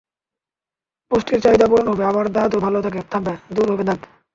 পুষ্টির চাহিদা পূরণ হবে, আবার দাঁতও ভালো থাকবে, দূর হবে দাগ।